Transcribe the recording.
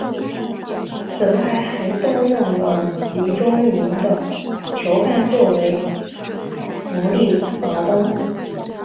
此外还动用了集中营的囚犯作为奴隶劳工。